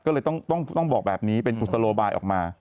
ก็เลยต้องบอกแบบนี้เป็นกุศโลบายออกมา